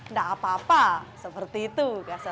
nggak apa apa seperti itu